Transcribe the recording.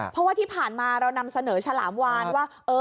เพราะว่าที่ผ่านมาเรานำเสนอฉลามวานว่า